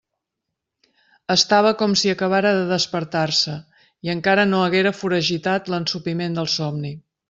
Estava com si acabara de despertar-se i encara no haguera foragitat l'ensopiment del somni.